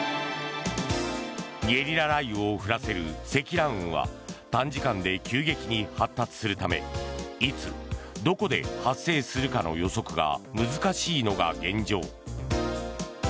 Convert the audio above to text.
ゲリラ雷雨を降らせる積乱雲は短時間で急激に発達するためいつ、どこで発生するかの予測が難しいのが現状。